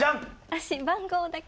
私番号だけ。